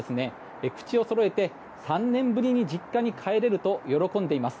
口をそろえて３年ぶりに実家に帰れると喜んでいます。